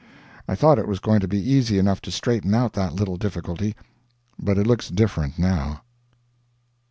I thought it was going to be easy enough to straighten out that little difficulty, but it looks different now.